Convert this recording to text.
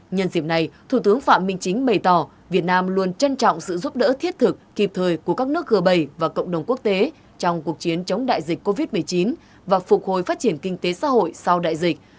nhân dịp này thủ tướng phạm minh chính bày tỏ việt nam luôn trân trọng sự giúp đỡ thiết thực kịp thời của các nước g bảy và cộng đồng quốc tế trong cuộc chiến chống đại dịch covid một mươi chín và phục hồi phát triển kinh tế xã hội sau đại dịch